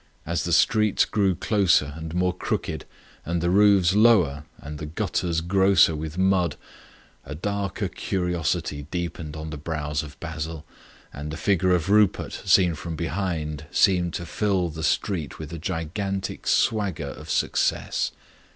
As the streets grew closer and more crooked and the roofs lower and the gutters grosser with mud, a darker curiosity deepened on the brows of Basil, and the figure of Rupert seen from behind seemed to fill the street with a gigantic swagger of success.